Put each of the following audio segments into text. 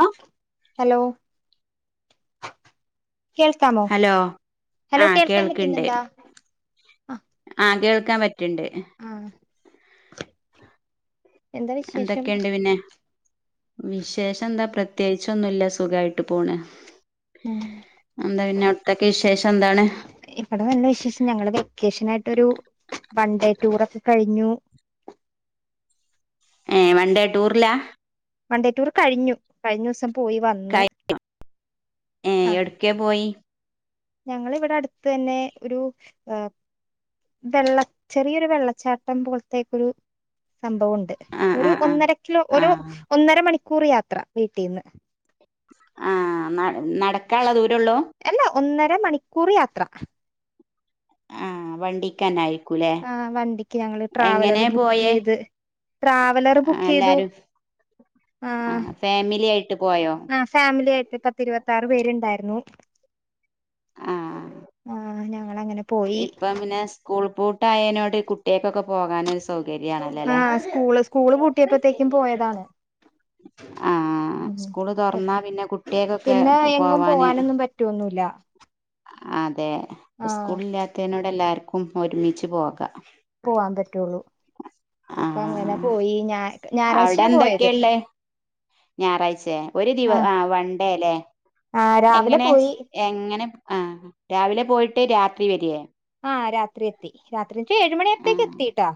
ആ ഹലോ കേൾക്കാമോ hello hello ആഹ് കേൾക്കാൻ കേൾക്ക്ണ്ട് പറ്റുന്നുണ്ടാ ആ ആക കേൾക്കാൻപ റ്റ്ണ്ട് ആ എന്താ വിശേഷം പിന്നെ വിശേഷം എന്താ പ്രത്യേകിച്ചൊന്നുമില്ല സുഖമായിട്ട് പോണ് ഉം എന്താ പിന്നെ അവിട്ത്തൊക്കെ വിശേഷം എന്താണ് ഇവിടെ നല്ല വിശേഷം ഞങ്ങള് വെക്കേഷൻ ആയിട്ട്ഒരു വൺ ഡേ ടൂറൊക്കെ കഴിഞ്ഞു ഏ വൺ ഡേ ടൂറിലാ വൺഡേ ടൂർ കഴിഞ്ഞു കഴിഞ്ഞോസം [unintelligible] ഏ ഏവടയ്ക്ക പോയി ഞങ്ങള് ഇവിടെ അടുത്ത് തന്നെ ഒരു ആഹ് വെള്ള ചെറിയൊരു വെള്ളച്ചാട്ടം പോല്ത്തേക്കൊരു സംഭവണ്ട് ആഹ് ഒരു ആഹ് ആഹ് ഒന്നരക്കിലോ ഒരു ആഹ് ഒന്നര മണി ക്കൂറിയാത്ര വീട്ടീന്ന്. ആഹ് ന നടക്കാ ള്ളെ ദൂ രൊള്ളോ? അല്ല ഒന്നര മണിക്കൂർ യാത്ര. ആഹ് വണ്ടിക്കെനായി ആഹ് വണ്ടിക്ക് ഞങ്ങള് ട്രാവലർ പോയേ ബുക്കെയ്ത് ട്രാവലർ ആഹ് ബുക്കെയ്ത് എല്ലാരും ആഹ് ഫാമിലി ആയിട്ട് പോയോ ആഹ് ഫാമിലിയായി ട്ട് പത്തിരുപത്താറ് പേരുണ്ടായിരുന്നു. ആഹ് ആഹ് ന ങ്ങളെങ്ങെനെ ഇപ്പം പിന്നെ സ് കൂൾ പൂട്ടയേനോട് കുട്ട്യേക്കൊക്കെ പോകാനോരു സൗ ആഹ് സ്കൂള് സ്കൂള് പൂട്ടിയപ്പഴ്ത്തേക്കും പോയതാണ്. ആഹ് ഉം സ്കൂള് തുറന്നാ പിന്നെ കുട്ടിയക്കൊക്കെ പിന്നെ എങ്ങും പോവാന് പോവാനൊന്നും പറ്റൊന്നുല്ല അതെ ആ സ്കൂളില്ലാത്തെനോട് എല്ലാർക്കും ഒരുമിച്ച് പോകാ പോവാൻ പറ്റുള്ളു. ആ അപ്പൊ അങ്ങനെ പോയി ഞാൻ അവിടെ എന്തൊക്കെയെള്ളേ ഞായറാഴ്ചയ ഒരു ദിവ ആ വൺഡേല്ലേ ആ രാവിലെ എങ്ങനെ പോയി എങ്ങനെ ആഹ് രാവിലെ പോയിട്ട് രാത്രി വരിയേ ആ രാത്രി എത്തി രാ ഏഴ്‌ ആ മണിയാപ്പത്തേക്ക് എത്തിട്ടാ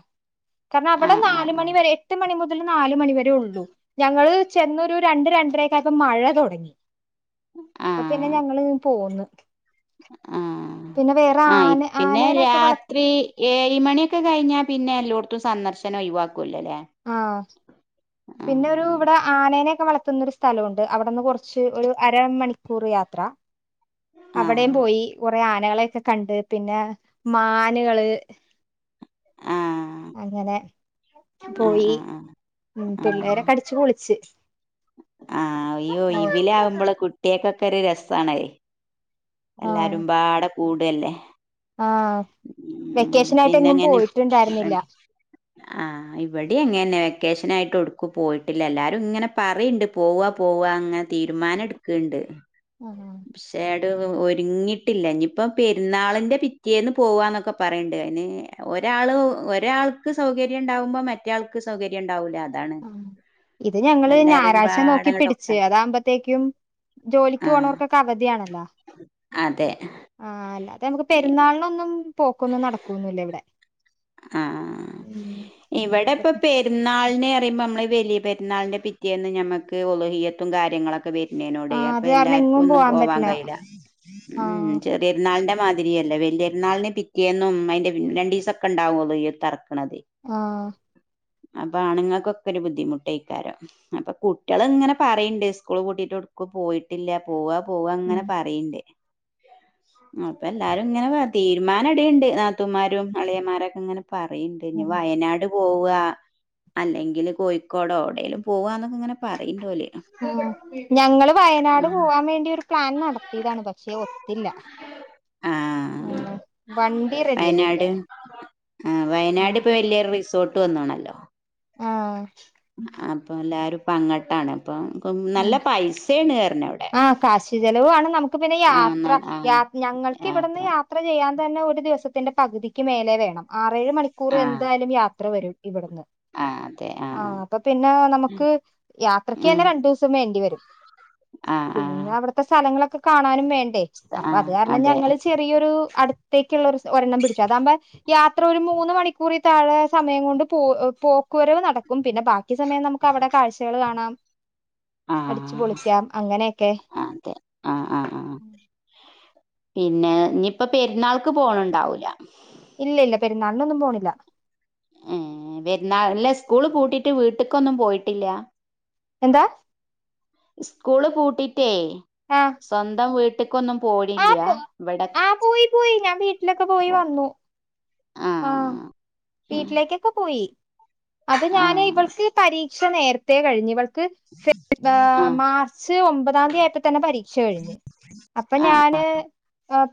ആ കാരണവിടെ ആ നാലുമണി വരെ എട്ട് മണി മു മുതൽ നാല് മണിവരെ ഉള്ളൂ ഞങ്ങള് ചെന്നൊരു രണ്ട് രണ്ടരേക്കായപ്പോ മഴ തുടങ്ങി ആ അപ്പൊ പിന്നെ ആ ഞങ്ങള് പോന്ന്. ആ പിന്നെ വേറെ ആ ആന പിന്നെ ആനേനെയൊക്കെ വളർ രാത്രി ഏഴ്‌ മണിയൊക്കെ കഴിഞ്ഞാ പി ന്നെ എല്ലായിടത്തും സന്ദർശനം ഒഴിവാ ആ ആ പിന്നെ ഒരു ഇവിടെ ആനേനെ വളർത്തുന്ന ഒരു സ്ഥലമുണ്ട് അവിടെന്ന് കുറച്ച് ഒരു അരമണിക്കൂർ യാത്ര ആ അവിടെ പോയി. [unintelligible] കുറെ ആനകളെൊക്കെ കണ്ട്. പിന്നെ മാനുകള്, ആ അങ്ങനെ ആ പോയി ആ ആ ഉം പിള്ളേരെ കടിച്ചു പൊളി ച്ച് ആ അയ്യോ ഇവലെ ആകുമ്പോള കുട്ടിയക്കെ ഒരു രസണേ. ആഹ് എല്ലാരുംപാട കൂടല്ലേ. ആഹ് ഉം വെക്കേഷനായിട്ട് പിന്നെ എങ്ങും എങ്ങനെ പോയിട്ടുണ്ടായിരുന്നില്ല ആ ഇവിടെ എങ്ങെ വെക്കേഷൻ ആയി ട്ട് എവിടേക്കും പോയിട്ടില്ല എല്ലാരും ഇങ്ങനെ പറയണ്ടേ പോവ പോവാ അങ്ങനെ തീരുമാനം എടുക്കണ്ട്. ആഹ് പക്ഷേട് ഒരുങ്ങിട്ടില്ല ഇനിയിപ്പ പെരുന്നാളിന്റെ പിറ്റേന്ന് പോവാന്നൊക്കെ പറയണ്ട്. അയിന് ഒരാള് ഒരാൾക്ക് സൗകര്യം ഉണ്ടാവുമ്പോ മറ്റാൾക്ക് സൗകര്യം ഉണ്ടാവൂല. അ ഇത് ഞങ്ങള് ഞായറാഴ്ച നോക്കി പാടങ്ങട്ട് പിടിച്ച് ഒക്കണ്ടേ അതാകുമ്പത്തേക്കും ജോലിക്ക് ആഹ് പോണവർക്കൊ അവധിയാണ് അല്ല അതെ ആഹ് അല്ല നമുക്ക് പെരുന്നാളിനൊന്നും പോക്കൊന്നും നടക്കുവൊന്നൂല്ല ഇവിടെ ആഹ് ആഹ് ഉം ഇവിടെ അപ്പൊ ഇപ്പൊ പെരുന്നാളിനെ പറയ്മ്പം നമ്മൾ വെലിയ പെരുന്നാളിന്റെ പിറ്റേന്ന് നമക്ക് ഒളഹിയത്തും കാര്യങ്ങളൊക്കെ വെര് പിന്നനോടെ ആഹ് അപ്പൊ അത് കാരണം എല്ലാർക്കും എങ്ങും ഒന്നും പോവാൻ പറ്റില്ല കഴിയില്ല ഉം ആഹ് ചെറിയൊരുന്നാളിന്റെ മാ പിരിയേല്ലേ വലിയൊരുന്നാളിനെ പിറ്റേന്നും അതിന്റെ രണ്ടീസം ക്കെണ്ടാവോള് ഈ തറക് ആഹ് അപ്പ ആണുങ്ങൾക്കൊക്കെ ഒരു ബുദ്ധിമുട്ടായിക്കാരം അപ്പൊ കുട്ടികൾ ഇങ്ങനെ പറയുണ്ട് സ്കൂൾ കൂട്ടിട്ട്ടുക്ക് പോയിട്ടില്ല പോവാ പോവാ അങ്ങനെ ഉം പറയിണ്ട് അപ്പം എല്ലാരുംങ്ങനെ തീരുമാന ടിയ്ണ്ട് നാത്തൂംമാരും അളിയംമാരും [unintelligible] ഇങ്ങനെ പറയണ്ട് ഇനി ഉം വയനാട് പോവ അല്ലെങ്കിൽ കോഴിക്കോട് എവിടെേലും പോവ ആ ഞങ്ങള് വയനാട് പോവാൻ വേണ്ടി പ്ലാൻ നടത്തിയതാണ് പക്ഷേ ഒത്തില്ല ആഹ് ഉം വണ്ടി റെഡി ആയില്ല വയനാട് ഉം വന്നോണല്ലോ അപ്പൊ എല്ലാരും പങ്ങട്ടാണ് അപ്പ നല്ല പൈസയാണ് ആ കാശ് ചെലവുണ് നമുക്ക് പിന്നെ ആഹ് യാത്ര നല്ല യാ ആഹ് ഞങ്ങൾക്ക് ഇവിടുന്ന് യാത്ര ചെയ്യാൻ തന്നെ ഒരു ദിവസത്തിന്റെ പകുതിക്ക് മേലെ വേണം ആറേഴ് മണിക്കൂർ ആഹ് എന്തായാലും യാത്ര വരും ഇവിടുന്ന് ആഹ് അതെ ആ ആഹ് അപ്പ പിന്നെ നമുക്ക് യാത്രക്ക് ഉം തന്നെ രണ്ടു ദിവസം വേണ്ടിവരും ആഹ് ആഹ് പിന്നെ അവിടത്തെ സ്ഥലങ്ങള കാണാനു വേ [unintelligible] അപ്പൊ ആഹ് അത് കാരണം അതെ ഞങ്ങള് ചെറിയൊരു അടുത്തേക്കുള്ള ഒരെണ്ണം പിടിച്ചു അതാകുമ്പോ യാത്ര ഒരു മൂന്ന് മണിക്കൂറി താഴെ സമയം കൊണ്ട് പോ പോക്കുവരവ് നടക്കും പിന്നെ ബാ ഈ സമയം നമുക്ക് അവിടെ കാഴ്ചകൾ കാണാം ആഹ അടിച്ചു ആഹ് പൊളിക്കാം അങ്ങനെയൊക്കെ അതെ ആഹ് ആഹ് ആഹ് പിന്നെ ഇനിയിപ്പ പെരുന്നാൾക്ക് പോണുണ്ടാവൂല ഇല്ല ഇല്ല പെരുന്നാളിനൊന്നും പോണില്ല ഏ വരുന്നാ ഇല്ല സ്കൂള് പൂട്ടിട്ട് വീട്ട്ക്കൊന്നും പോയിട്ടില്ല എന്താ സ്കൂള് പൂട്ടി ഏയ് ആഹ് സ്വന്തം വി ന്നും ആ പോണില്ല പോ ഇവിടെ ആ പോയി പോയി ഞാൻ വീട്ടിലൊക്കെ പോയി പോ വന്നു ആ ആഹ് വീട്ടിലേക്കൊക്കെ പോയി അത് ആ ആ ഞാന് ഇവൾക്ക് പരീ രീക്ഷ നേരത്തെ കഴിഞ്ഞ് ആ മാർച്ച് ഒമ്പതാം തീയ ആയപ്പോ തന്നെ പരീക്ഷ കഴിഞ്ഞ് അപ്പൊ ഞാന്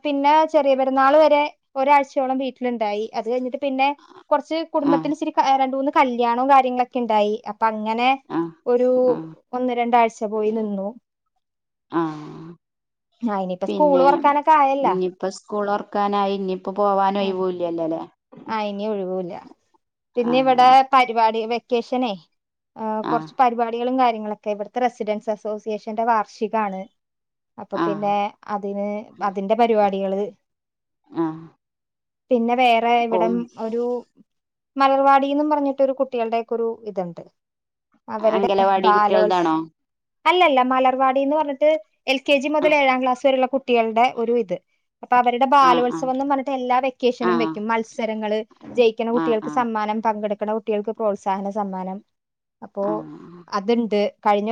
പിന്നെ ചെറിയ പെരുന്നാൾ വരെ ഒരാഴ്ചയോളം വീട്ടിലുണ്ടായി അത് കഴിഞ്ഞിട്ട് പിന്നെ കുറച്ച് ആ ആ കുടുംബത്തിൽ ഇച്ചിരി രണ്ട് മൂന്ന കല്യാണവും കാര്യങ്ങളൊക്കെ ഉണ്ടായി അ അങ്ങനെ ആ ഒരു ഒന്ന് രണ്ടാഴ്ച പോയി നിന്നു ആ ആ ഇനിയിപ്പ സ്കൂള് പിന്നെ തു റക്കാനൊക്കെ ആയല്ല ക്കാനായി ഇപ്പ പോവാനും ഒഴുവൂല്ലല്ലേ ആ ഇനി ഒഴിവൂല ആ പിന്നെ ഇവിടെ പരു രിവാടി വെക്കേഷനെ ആ കുറച്ച് പരിപാടികളും കാര്യ- ഞങ്ങളൊക്കെ ഇവിടുത്തെ റെസിഡൻസ് അസോസിയേഷന്റെ വാർഷികാണ് അപ്പൊ ആ പിന്നെ അതിന് അതിന്റെ പരിപാടി കുട്ടികള് ആഹ പിന്നെ വേ [unintelligible] ഇവിടം ഒരു- മലർവാടിന്നും പറഞ്ഞിട്ട് കുട്ടികളുടെയൊക്കെ ഒരു ഇത്ണ്ട് അംഗനവാടി കുട്ടികൾതാണോ അല്ലല്ല മലർവാടിന്ന് പറഞ്ഞിട്ട് എൽ കെ ജി ആ മുതൽ ഏഴാം ക്ലാസ് വരെയുള്ള കുട്ടികളുടെ ഒരു ഇത് അപ്പൊ അവരുടെ ആ ആ ബാലോത്സവമെന്നും പറഞ്ഞട്ട് എല്ലാ ആ വെക്കേഷനും വെ മത്സരങ്ങള് ജയിക്കുന്ന ആ ആ കുട്ടികൾക്ക് ആ സമ്മാനം പങ്കെടു ജയിക്കണ കുട്ടികൾക്ക് പ്രോത്സാഹന സമ്മാനം അപ്പോ ആ അതുണ്ട് കഴിഞ്ഞ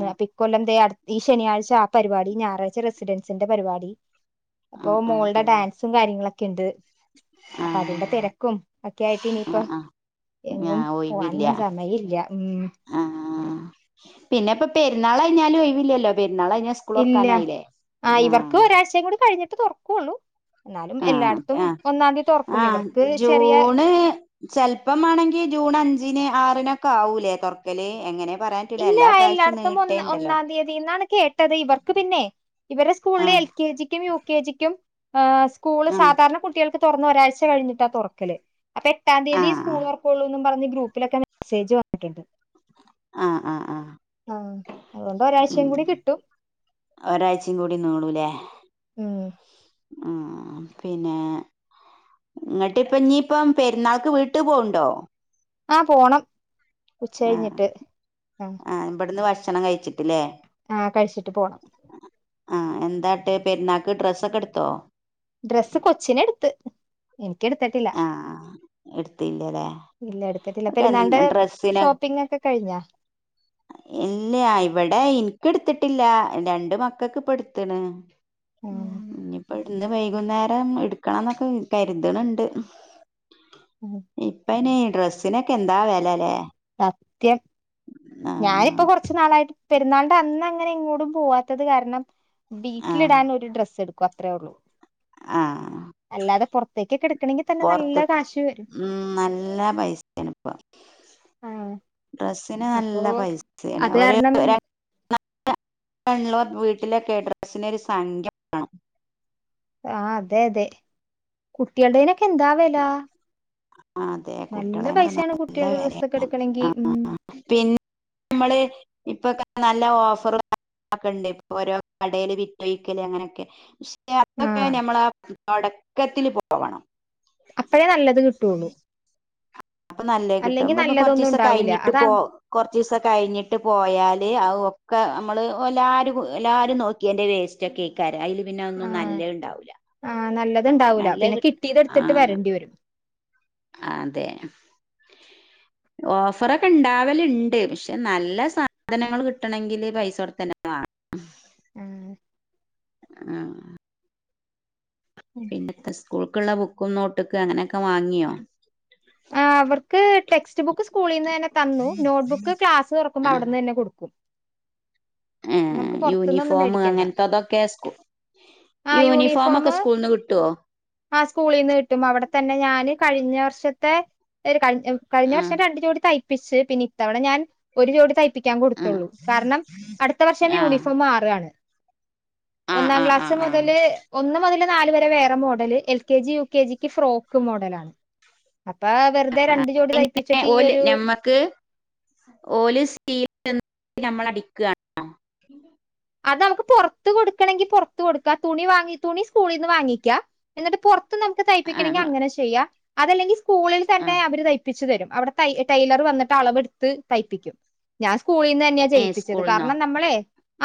ആ ആ അപ്പം ഇ കൊല്ലം ദേ- ഈ ശനിയാഴ്ച ആ പരിപാടി ഞായറാഴ്ച റെസിഡൻസിന്റെ പരിപാടി ആ അപ്പോ മോളുടെ ഡാൻസും കാര്യങ്ങ ഇണ്ട് ആ അപ്പൊ അതിന്റെ തിരക്കും ഒക്കെ ആയിട്ട് ഇനിയിപ്പം ആ ആ എങ്ങും ഒഴിവില്ല പോകാനൊന്നും സമയം ഇല്ല ഉം പിന്നപ്പം പെരുന്നാൾ കഴിഞ്ഞാലും ഒഴിവില്ലല്ലോ പെരുന്നാൾ കഴിഞ്ഞാൽ സ്കൂൾ ഇല്ല തുറക്കാനായില്ലേ ആ ഇവർക്ക് ഒരാഴ്ചയും കൂടി കഴി അത് തുറക്കുവുള്ളൂ ആ അ തുറക്കും ആഹ് ഇവർക്ക് ചെറിയ ജൂണ് ചെല്പ്പമാണെങ്കി ജൂൺ അഞ്ചിന് ആ നിനക്ക് ആവൂലേ തുറക്കല് എങ്ങനെ പറയാൻ പറ്റൂല ഇല്ല എല്ലാ പ്രാവശ്യം എല്ലാടുത്തും ഒന്ന് നീട്ടേണ്ടല്ലോ ഒന്നാം തീയതിന്നാണ് കേട്ടത് ഇവർക്ക് പിന്നെ ഇവരടെ സ്കൂളില് ആഹ് എൽ കെ ജിക്കും യു കെ ജി ക്കും ആ സ്കൂള് ആഹ് സാധാരണ കുട്ടികൾക്ക് തുറന്ന ഒരാഴ്ച കഴിഞ്ഞിട്ട് ആ തുറക്കല് അപ്പൊ എട്ടാം തീയതി സ്കൂൾ ആഹ് വർക്കുള്ളൂ എന്നും പറഞ്ഞ് ഗ്രൂപ്പിലൊക്കെ മെസ്സേജ് വന്നിട്ടുണ്ട് അ അ അ ഉം അതുകൊണ്ട് ഒരാഴ്ചയും കൂടി കിട്ടും ഒരാഴ്ചയും കൂടി നീളൂലേ ഉം ആ പിന്നെ ഇങ്ങിട്ട ഇപ്പ ഇനിയിപ്പം പെരുന്നാൾക്ക് വീട്ടു പോണ്ടോ ആഹ് പോണം ഉച്ച ആഹ് കഴിഞ്ഞിട്ട് ആഹ് ഇവിടുന്ന് ഭക്ഷണം കഴിച്ചിട്ടില്ലേ ആഹ് കഴിച്ചിട്ട് പോണം ആഹ് എന്താട്ട് പെരുന്നാക്ക് ഡ്രസ്സൊക്കെ എടുത്തോ ഡ്രസ്സ് കൊച്ചിന് എടുത്ത് എം ആഹ് ഇല്ല എടുത്തിട്ടില്ല പെരുന്നാളിന്റെ എടുത്തില്ലല്ലേക്ക ഡ്രസിന് ഷോപ്പിംഗ് ഒക്കെ കഴിഞ്ഞാ ഇല്ല ഇവിടെ ഇൻ കെടുത്തിട്ടില്ല രണ്ട് മക്കൾക്ക് എടുത്ത് ണ് ഉം ഇനിപ്പോ ഇടുന്ന് വൈകുന്നേരം ഇവിം എടുക്കണം എന്നൊക്കെ കരുതണുണ്ട് ഉം [inaudible] ഇപ്പനെ ഡ്രസ്സിനൊക്കെ എന്താ വില അല്ലേ ആ ത്യം ഞാനിപ്പ ആഹ് കുറച്ചു നാളായിട്ട് പെരുന്നാളുടെ അന്ന് അങ്ങനെ ഇങ്ങോട്ടും പോവാത്തത് കാരണം വീട്ടിലിടാനൻ ഒരു ഡ്രസ്സ് എടുക്കും അത്രേ ഉള്ളൂ അ അല്ലാതെ പുറത്തേക്ക് കിട് റത്ത് ഉം നല്ല പൈസയാണ് ഇപ്പ ആഹ് ഡ്രസിന് അപ്പൊ നല്ല പൈസയാണ് അത് ഒരു കാരണം [unintelligible] വീട്ടിലെ കേഡ്രസിന ഒരു സംഖ്യണം ആ അതെ അതെ കുട്ടികളടേനൊക്കെ എന്താാവല ആ അതെ കുട്ടികളെനൊക്കെ നല്ല കുട്ടികളുടെ വിലയാണ് ഡ്രസ്സൊക്കെ എടുക്കണെങ്കി ആ ഉം പിന്നെ നമ്മള് ഇപ്പൊ നല്ല ഓഫർക്കണ്ട് ഓരോ കടേല് വിറ്റൊഴിക്കല് അങ്ങനെയൊക്കെ അതൊക്കെ ആഹ് ഞമ്മളാ തൊടക്കത്തില് പോണം അപ്പഴേ നല്ലത് കിട്ടുള്ളു അപ്പൊ നല്ല കിട്ടും ഇപ്പ കൊറച്ച് ദിവസം ഉണ്ടാവൂല കഴിഞ്ഞിട്ട് അതാ പോ കൊറച്ചീസം കഴിഞ്ഞിട്ട് പോയാല് ആ ക്കെ നമ്മള് എല്ലാരും എല്ലാരും നോക്ക്യേൻ്റെ വേസ്റ്റ് ഒക്കെ കേക്കാരം അയില് ആ ആ നല്ലതുണ്ടാവൂല നല്ല പിന്നെ കി കിട്ടിയത്എട്ടുത്തിട്ട് ആഹ് വരണ്ടി വെരും അതെ ഓഫറൊക്കെ ഇണ്ടാവലുണ്ട് പക്ഷെ നല്ല സാധനങ്ങൾ കിട്ടണങ്കില് പൈസ കൊടുത്തെന്നെ വാങ്ങണം ആ ആ ഉം. പിന്നത്തെ സ്കൂൾ ക്കുളള ബുക്കും നോട്ടുക്കും അങ്ങനെക്കേ വാങ്യോ ആ അവർക്ക് ടെക്സ്റ്റ് ബുക്ക് സ്കൂളീന്നെന്നെ തന്നു നോട്ട്ബുക്ക് ക്ലാസ് തുറക്കുമ്പോ ആഹ് അവിടെന്ന് തന്നെ കൊടുക്കും നമുക്ക് പൊറത്തുന്നൊന്നും യൂണിഫോം മേടിക്കണ്ട അങ്ങനത്തതൊക്കെ സ്കൂ ആ യൂണിഫോമൊക്കെ യൂണിഫോമ് സ്കൂൾന്ന് കിട്ടുവോ ആ സ്കൂളിൽന്ന് കിട്ടും അവിടെ തന്നെ ഞാന് കഴിഞ്ഞ വർഷത്തെ ഒരു ക കഴിഞ്ഞ ആ വർഷം രണ്ടു ജോടി തയ് പ്പിച്ച് പിന്നെ ഇത്തവണ ഞാൻ ഒരു ജോടി ത പ്പിക്കാൻ ആ കൊടുത്തുള്ളൂ കാരണം ടുത്ത വർഷം ആ യൂണിഫോം മാറാണ് ആ ഒന്നാം ആ ആ ക്ലാസ്സ് മുതല് ഒന്ന് മുതല് നാല് വരെ വേറെ model L K G U K ജിക്ക് ഫ്രോക്ക് മോഡലണ അപ്പ വെറുതെ രണ്ട് ജോടി ആ തയ്പ്പിച്ചിട്ട് ഈ ഓല് ഒരു ഞമ്മക്ക് നമ്മളടിക്കാണോ അത് നമ്മക്ക് പൊറത്ത് കൊടുക്കണങ്കി പൊറത്ത് കൊടുക്ക തുണി വാങ്ങി തുണി സ്കൂളിന്ന് വാങ്ങിക്ക ന്ന്ട്ട് പൊറത്ത് ത്ത് നമ്മക്ക് തയ്പ്പിക്കണെങ്കി ആ അങ്ങനെ ചെയ്യാ അതല്ലെങ്കിൽ സ്കൂളിൽ ആ തന്നെ അവര് തയ്പിച്ചുതരും അവിടെ ത ടൈലർ വന്നിട്ട് അളവെട്ത്ത് തയ്പിക്കും ഞാൻ സ്കൂളിന്നെന്ന ഏ ചെയ്യിപ്പിച്ചത് സ്കൂൾന്നോ കാരണം നമ്മളെ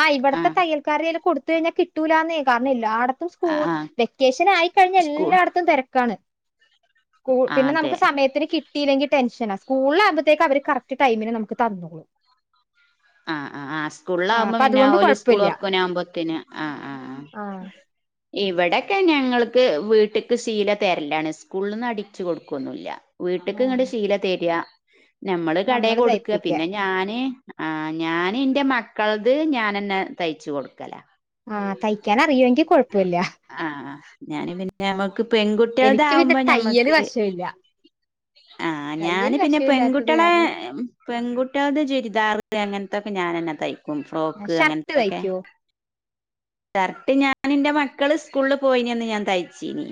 ആ ഇവിട്ത്തെ തയ്യൽക്കാര് [unintelligible] കൊടുത്ത കഴിഞ്ഞാ കിട്ടൂല ന്നെ കാരണം എല്ലാ ഇപ്പം സ്കൂ ആ ആ വെക്കേഷനായിക്കഴിഞ്ഞ സ്കൂൾ എല്ലാടത്തും തെരക്കാണ് സ്കൂ ആ പിന്നെ അതെ നമുക്ക് സമയത്തിന് കിട്ടിയില്ലെങ്കി ടെൻഷന സ്കൂളിലാകുമ്പോത്തേക്ക് അവര് കറക്ട് ടൈമിന് നമ്മക്ക് തന്നോളും ആ ആ ആ ആ സ്കൂളാകുമ്പോ അപ്പൊ പിന്ന അതുകൊണ്ട് ഓല് കുഴപ്പമില്ല സ്കൂളൊർക്കാനാവുമ്പോതിന് ആ ആ ആ ആഹ് ഇവിടെക്കെ ഞങ്ങൾക്ക് വീട്ട്ക്ക് സീല തര്ലാണ് സ്കൂൾന്ന് അടിച്ച് കൊട്ക്കൊന്നുല്ല വീട്ട്ക്ക് ങ്ങട് ശീല തരാ നമ്മള് കടെ കൊട്ക്ക പിന്നെ ഞാന് ആ ഞാന് ന്റെ മക്കൾത് ഞാനെന്നെ തയ്ച്ച് കൊട്ക്കല ആ തയ്ക്കാനറിയോ ആ ഞാന് പിന്നെ ഞമ്മക്ക് പെൺകുട്ട്യെൾ എനിക്ക് പിന്നെ താവുമ്പോ തയ്യല് ഞമ്മക്ക് വശമില്ല ആ ഞാന് തയ്യല് പിന്നെ വശമില്ലാത്തത് പെൺകുട്ട്യെളെ കാരണം പെൺകുട്ട്യെൾത് ചുരിദാർ അങ്ങ ത്തൊക്ക ഞനെന്നെ തയ് ക്കും ഫ്രോക്ക് ഷർട്ട് അങ്ങൻത്തൊക്കെ തയ്ക്കുവോ ഷർട്ട് ഞാൻ ന്റെ മക്കള് സ്കൂൾല് പോയിന്യന്ന് ഞാൻ തയ്ച്ചീനി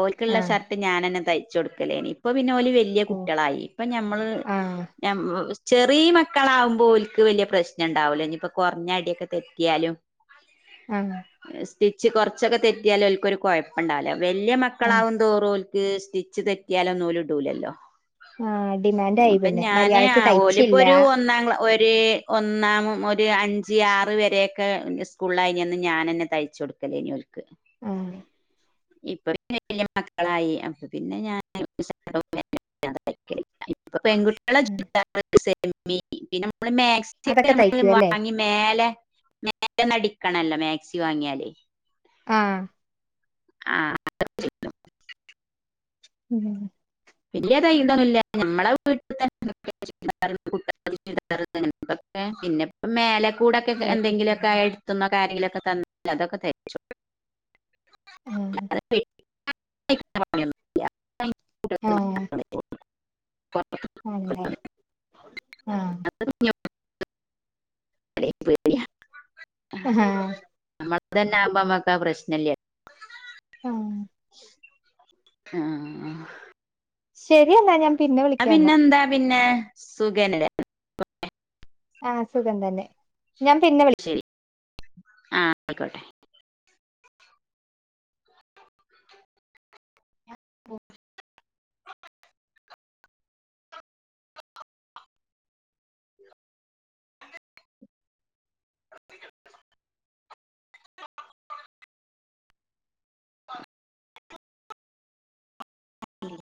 ഓൽക്ക്ള്ള ആഹ് ഷർട്ട് ഞാനെന്നെ തയ് ച്ചൊട്ക്കലേനി ഇപ്പ പിന്നെ വല്യ ഓ കുട്ട്യെളായി ഇപ്പ നമ്മള് ആഹ് ഞം സ് ചെറീ മക്കളാവുമ്പോൽക്ക് വെല്ല്യ പ്രശ്നണ്ടാവൂല ഞ്‌പ്പം കൊർഞ്ഞ അടിയൊക്കെ തെറ്റ്യാലും ആ സ്റ്റിച്ച് കൊർച്ചൊക്കെ തെറ്റ്യാല് ഓൽക്കൊരു കൊയപ്പണ്ടാവൂല വല്യ ആഹ് മക്കളാവുതോറും ഓൽ ക്ക് സ്റ്റിച്ച് തെറ്റ്യാലൊന്നും ഓല് ഇടൂലല്ലോ ആഹ് ഡിമാൻഡ് ആയി അപ്പ പിന്നെ ഞാന് ആ മര്യാദക്ക് ഓല് തയ്ച്ചില്ല പ്പൊരു ഒന്നാംക്ലാ ഒര് ര് ഒന്നാം ഒര് അഞ്ച് ആറ് വരേക്കെ സ്കൂളായ്ന്യന്ന് ഞാനെന്നെ തയ്ച്ചൊട്ക്കലേനി ഓൽക്ക് ആ ഇപ്പ പിന്നെ വല്യ മക്കളായി അപ്പൊ പിന്നെ ഞാൻ [unintelligible] പ്പ പെങ്കുട്ട്യേളെ ആഹ് ചുരിദാറ് [unintelligible] [unintelligible] പിന്നെ നമ്മള് മാക്സിക്കെ അതൊക്കെ നമ്മള് തയ്ക്കും അല്ലേ വാങ്ങി മേലെ [unintelligible] [unintelligible] അടിക്കണല്ലോ മാക്സി വാങ്ങിയാല് ആ ആ [unintelligible] ഉം വെല്ല്യ തയ്യലൊന്നുല്ല ഞമ്മളെ വീട്ട്ത്തെ [unintelligible] ചുരിദാര് [unintelligible] പിന്നെപ്പ മേല കൂടെക്കെക്ക് തയ്പ്പിക്കും എന്തെങ്കിലൊക്കെ എട്ത്ത്ന്നൊ ആരേലൊക്കെ തന്ന അതൊക്കെ തയ്ച്ചും ആഹ് [unintelligible] [inaudible] ആഹ്ആ [inaudible] ആഹ്ആ [inaudible] [inaudible] ഹാഹാ ഇതന്നാമ്പം അമ്മക്കാ പ്രശ്നെല്ല്യ. ഉംഹ് ആഹ് ശെരിയെന്നാ ഞാൻ പിന്നെ ആഹ് വിളിക്കാന്നാ പിന്നെന്താ പിന്നെ സുഖേല്യാ ആ സുഖം തന്നെ ഞാൻ പിന്നെ വിളി ശരി ആ ആക്കോട്ടെ ബോക് [inaudible] ആഹ ഉംഹ്